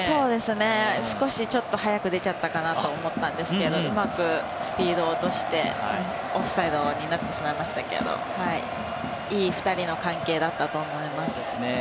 少し早く出ちゃったかなと思ったんですけれども、うまくスピードを落としてオフサイドになってしまいましたけれども、２人の関係だったと思います。